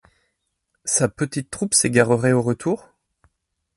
sa petite troupe s’égarerait au retour ?